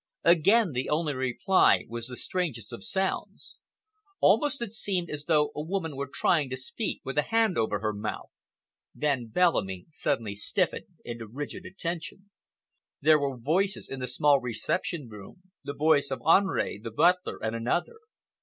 Again the only reply was the strangest of sounds. Almost it seemed as though a woman were trying to speak with a hand over her mouth. Then Bellamy suddenly stiffened into rigid attention. There were voices in the small reception room,—the voice of Henri, the butler, and another.